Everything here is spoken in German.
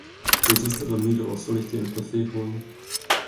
Du siehst aber müde aus, soll ich dir einen Kaffee holen?